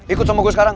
ikut sama gue sekarang